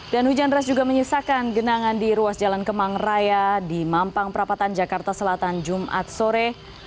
dan hujan deras juga menyisakan genangan di ruas jalan kemang raya di mampang prapatan jakarta selatan jumat sore